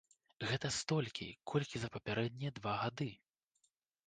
Гэта столькі, колькі за папярэднія два гады.